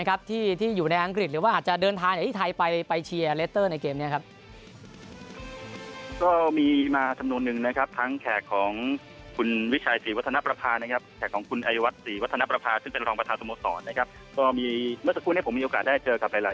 ก็มีเมื่อสักครู่นี้ผมมีโอกาสได้เจอกับหลายท่านนะครับทั้งคุณบรรทัศน์ล้ำจำ